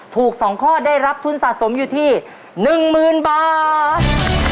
ถูก๒ข้อได้รับทุนสะสมอยู่ที่๑๐๐๐บาท